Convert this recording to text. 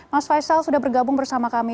mas faisal sudah bergabung bersama kami